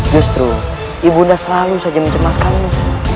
justru ibu anda selalu saja mencemaskanmu